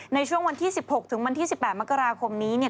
ในช่วงวันที่๑๖ถึงวันที่๑๘มกราคมนี้เนี่ย